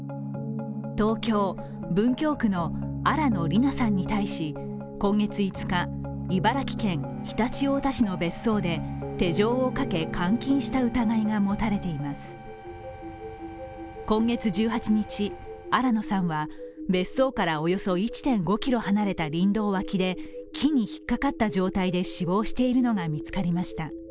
東京・文京区の新野りなさんに対し、今月５日、茨城県常陸太田市の別荘で今月１８日新野さんは、別荘からおよそ１．５ｋｍ離れた林道脇で木に引っかかった状態で死亡しているのが見つかりました。